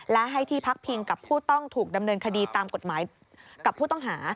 และให้ที่พักพิงกับผู้ต้องถูกดำเนินคดีตามกฎหมายกับผู้ต้องหา